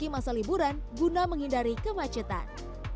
di masa liburan guna menghindari kemacetan